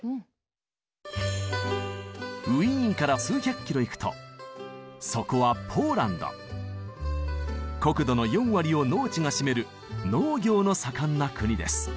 ウィーンから数百キロ行くとそこは国土の４割を農地が占める農業の盛んな国です。